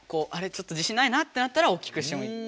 ちょっと自信ないなってなったら大きくしてもいい。